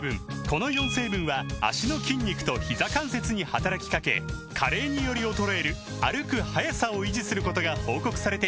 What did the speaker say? この４成分は脚の筋肉とひざ関節に働きかけ加齢により衰える歩く速さを維持することが報告されています